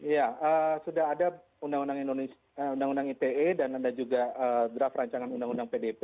ya sudah ada undang undang ite dan ada juga draft rancangan undang undang pdp